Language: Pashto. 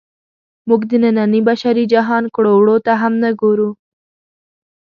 موږ د ننني بشري جهان کړو وړو ته هم نه ګورو.